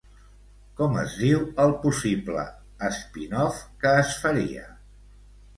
Com es diu el possible espin-off que es faria?